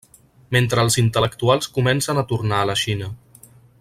Mentre els intel·lectuals comencen a tornar a la Xina.